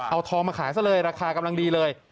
เอาทองมาขายซะเลยราคากำลังดีเลย